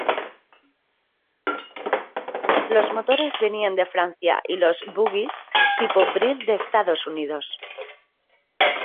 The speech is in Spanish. Los motores venían de Francia y los "bogies" tipo Brill de Estados Unidos.